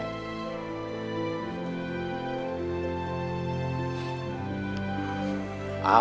เป็นคนที่สามก็ได้